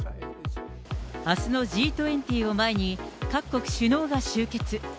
あすのＧ２０を前に、各国首脳が集結。